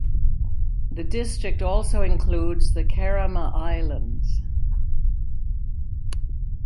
The district also includes the Kerama Islands.